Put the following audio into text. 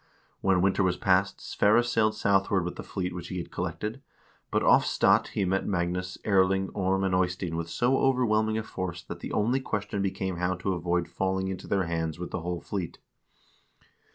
When winter was past, Sverre sailed southward with the fleet which he had collected, but off Stadt he met Magnus, Erling, Orm, and Eystein with so overwhelming a force that the only question became how to avoid falling into their hands with the whole fleet.